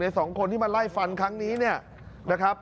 ในสองคนที่มาไล่ฟันครั้งนี้นะครับ